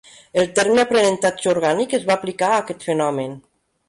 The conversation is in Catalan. El terme "aprenentatge orgànic" es va aplicar a aquest fenomen.